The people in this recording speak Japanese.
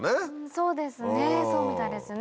そうですねそうみたいですね。